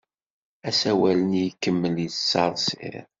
Asawal-nni ikemmel yettsersir.